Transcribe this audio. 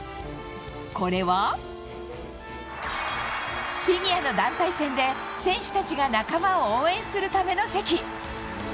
これは、フィギュアの団体戦で選手たちが仲間を応援するための席。